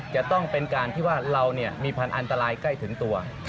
จะต้องเป็นการที่ว่าเรามีพันธุ์อันตรายใกล้ถึงตัว